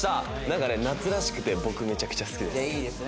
なんかね夏らしくて僕めちゃくちゃ好きです。